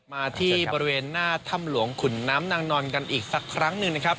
มาที่บริเวณหน้าถ้ำหลวงขุนน้ำนางนอนกันอีกสักครั้งหนึ่งนะครับ